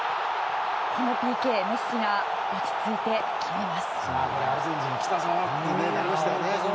このＰＫメッシが落ち着いて決めます。